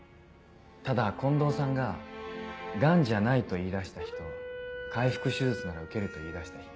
ただ近藤さんが「癌じゃない」と言いだした日と開腹手術なら受けると言いだした日。